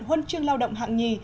huân trường lao động hạng nhì